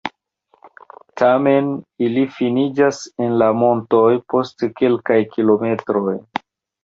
Tamen ili finiĝas en la montoj post kelkaj kilometroj.